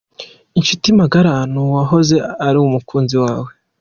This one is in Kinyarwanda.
Inshuti magara n’uwahoze ari umukunzi wawe.